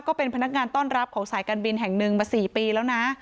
ก็เป็นพนักงานต้อนรับของสายการบินแห่งหนึ่งมา๔ปีแล้วนะ